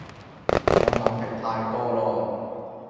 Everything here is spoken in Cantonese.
我諗係太多囉